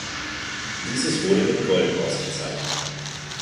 Dieses wurde mit Gold ausgezeichnet.